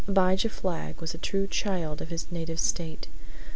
Abijah Flagg was a true child of his native State.